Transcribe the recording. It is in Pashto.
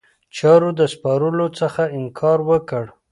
چارو د سپارلو څخه انکار وکړ.